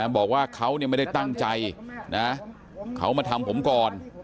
บอกว่าเขาไม่ได้ตั้งใจนะเขามาทำผมก่อน